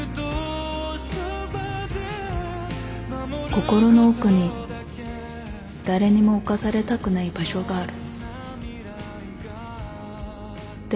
心の奥に誰にも侵されたくない場所がある。